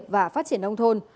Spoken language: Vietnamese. và phát triển nông thôn